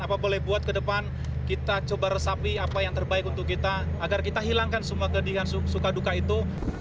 apa boleh buat ke depan kita coba resapi apa yang terbaik untuk kita agar kita hilangkan semua kedingan suka duka itu